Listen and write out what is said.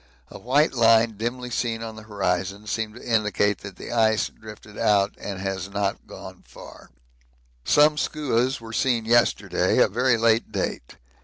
A white line dimly seen on the horizon seemed to indicate that the ice drifted out has not gone far. Some skuas were seen yesterday, a very late date.